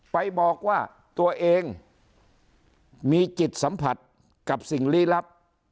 ไปบอกว่าตัวเองมีจิตสัมผัสกับสิ่งลี้ลับ